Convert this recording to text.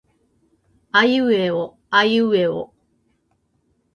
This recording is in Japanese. あいうえおあいうえお